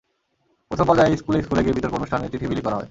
প্রথম পর্যায়ে স্কুলে স্কুলে গিয়ে বিতর্ক অনুষ্ঠানের চিঠি বিলি করা হয়।